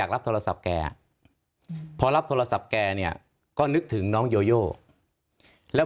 รับโทรศัพท์แกพอรับโทรศัพท์แกเนี่ยก็นึกถึงน้องโยโยแล้ว